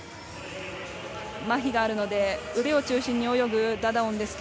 まひがあるので腕を中心に泳ぐダダオンですが。